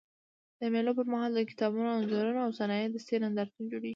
د مېلو پر مهال د کتابونو، انځورونو او صنایع دستي نندارتونونه جوړېږي.